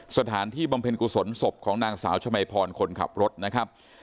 บำเพ็ญกุศลศพของนางสาวชมัยพรคนขับรถนะครับ